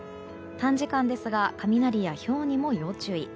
短時間ですが雷やひょうにも要注意。